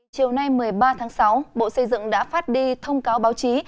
chiều nay một mươi ba tháng sáu bộ xây dựng đã phát đi thông cáo báo chí